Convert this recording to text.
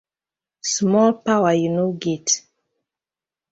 Small powar yu no get.